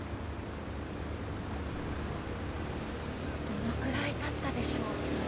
どのくらいたったでしょう。